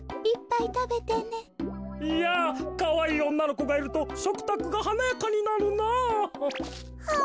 いやかわいいおんなのこがいるとしょくたくがはなやかになるなぁ。